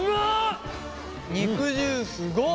肉汁すごっ。